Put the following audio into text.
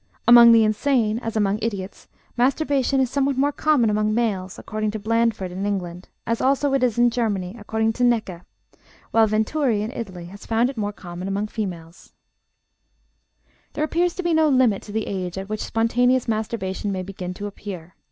Among the insane, as among idiots, masturbation is somewhat more common among males, according to Blandford, in England, as also it is in Germany, according to Näcke, while Venturi, in Italy, has found it more common among females. There appears to be no limit to the age at which spontaneous masturbation may begin to appear.